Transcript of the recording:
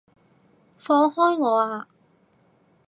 放開我啊！